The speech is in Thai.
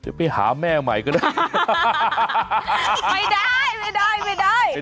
จะไปหาแม่ใหม่ก็ได้